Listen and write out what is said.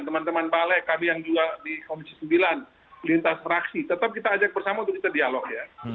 teman teman balek kami yang juga di komisi sembilan lintas fraksi tetap kita ajak bersama untuk kita dialog ya